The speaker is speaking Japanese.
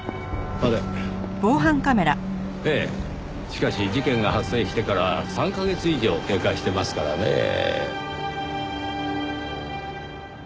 しかし事件が発生してから３カ月以上経過してますからねぇ。